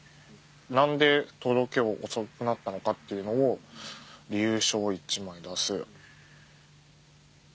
何で届けが遅くなったのかっていうのを理由書を１枚出す。